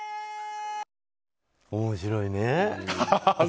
面白いね。